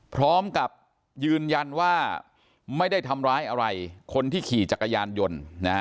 พร้อมกับยืนยันว่าไม่ได้ทำร้ายอะไรคนที่ขี่จักรยานยนต์